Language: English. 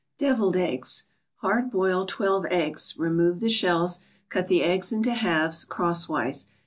DEVILED EGGS Hard boil twelve eggs. Remove the shells. Cut the eggs into halves, crosswise.